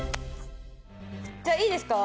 じゃあいいですか？